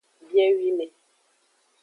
Biewine.